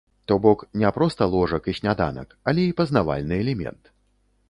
То бок, не проста ложак і сняданак, але і пазнавальны элемент.